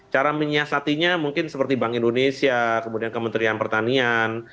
cara menyiasatinya mungkin seperti bank indonesia kemudian kementerian pertanian